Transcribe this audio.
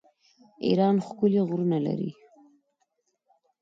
ایران ښکلي غرونه لري.